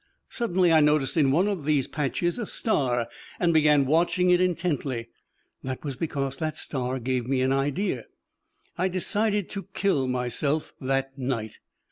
Suddenly I noticed in one of these patches a star, and began watching it intently. That was because that star gave me an idea: I decided to kill myself that night.